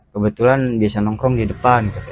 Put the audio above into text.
kebetulan dia nongkrong di depan